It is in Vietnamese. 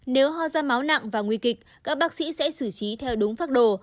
nếu hoa da máu nặng và nguy kịch các bác sĩ sẽ xử trí theo đúng phác đồ